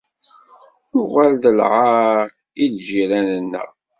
Nuɣal d lɛar i lǧiran-nneɣ.